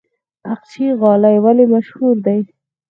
اقچې غالۍ ولې مشهورې دي؟